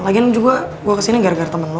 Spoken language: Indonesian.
lagian juga gue kesini gara gara temen lo